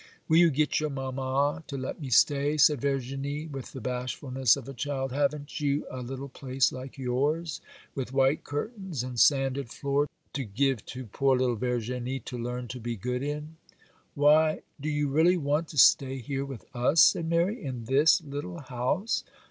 'Will you get your mamma to let me stay?' said Verginie, with the bashfulness of a child; 'haven't you a little place like yours, with white curtains, and sanded floor, to give to poor little Verginie to learn to be good in?' 'Why, do you really want to stay here with us,' said Mary, 'in this little house?